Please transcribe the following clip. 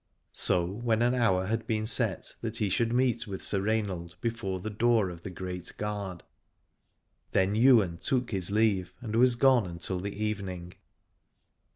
So when an hour had been set, that he should meet with Sir Rainald before the door of the Great Gard, then Ywain took his leave and was gone until the evening.